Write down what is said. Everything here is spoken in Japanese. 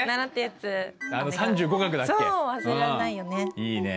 いいね。